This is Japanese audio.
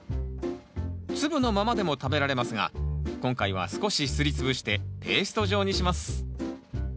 粒のままでも食べられますが今回は少しすり潰してペースト状にします